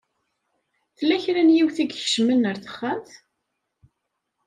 Tella kra n yiwet i ikecmen ar texxamt.